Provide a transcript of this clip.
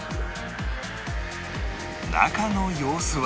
中の様子は